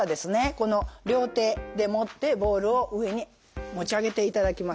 この両手で持ってボールを上に持ち上げていただきます。